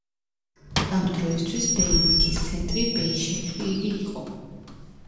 ამ დროისთვის ბეილიქის ცენტრი ბეიშეჰირი იყო.